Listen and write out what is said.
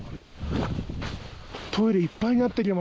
トイレいっぱいになってるよ